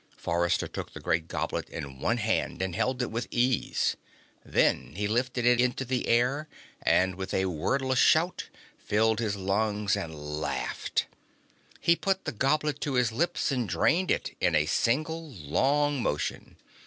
Forrester took the great goblet in one hand and held it with ease. Then he lifted it into the air with a wordless shout, filled his lungs and laughed. He put the goblet to his lips and drained it in a single long motion.